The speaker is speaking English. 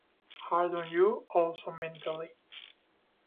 Hard on you also mentally.